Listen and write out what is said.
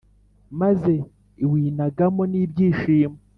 maze iwinagamo nibyishimo